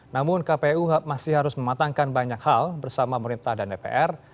namun kpu masih harus mematangkan banyak hal bersama pemerintah dan dpr